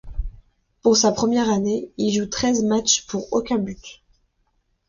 Pour sa première année, il joue treize matchs pour aucun but.